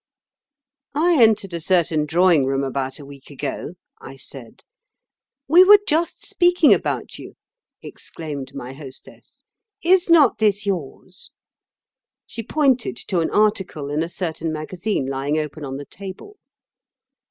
"I entered a certain drawing room about a week ago," I said. "'We were just speaking about you,' exclaimed my hostess. 'Is not this yours?' She pointed to an article in a certain magazine lying open on the table.